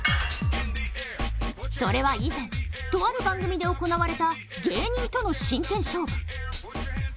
それは以前、とある番組で行われた芸人との真剣勝負。